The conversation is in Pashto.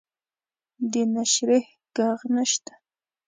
د نشریح ږغ نشته